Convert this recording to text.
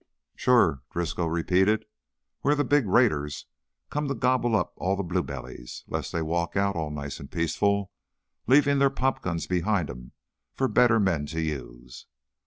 "Sure," Driscoll repeated. "We're the big raiders come to gobble up all the blue bellies, 'less they walk out all nice an' peaceful, leavin' their popguns behind 'em for better men to use.